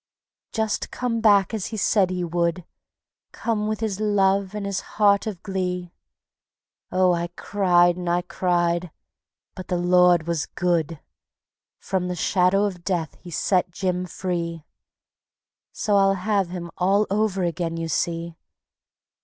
Just come back as he said he would; Come with his love and his heart of glee. Oh, I cried and I cried, but the Lord was good; From the shadow of Death he set Jim free. So I'll have him all over again, you see.